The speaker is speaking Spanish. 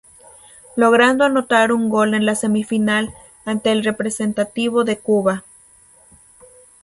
Logrando anotar un gol en la semifinal, ante el representativo de Cuba.